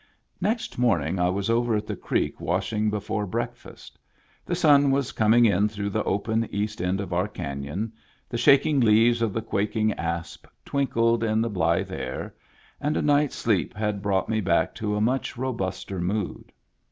Next morning I was over at the creek wash ing before breakfast The sun was coming in through the open east end of our canon, the shaking leaves of the quaking asp twinkled in a blithe air, and a night's sleep had brought me back to a much robuster mood.